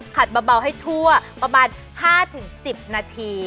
เบาให้ทั่วประมาณ๕๑๐นาที